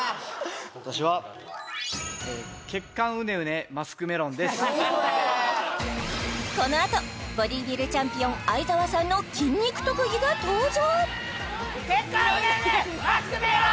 私はこのあとボディビルチャンピオン相澤さんの筋肉特技が登場